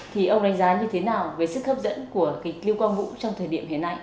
thì ông đánh giá như thế nào về sức hấp dẫn của cái lưu quang vũ trong thời điểm hiện nay